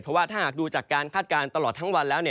เพราะว่าถ้าหากดูจากการคาดการณ์ตลอดทั้งวันแล้ว